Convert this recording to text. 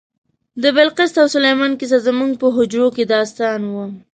د بلقیس او سلیمان کیسه زموږ په حجرو کې داستان و.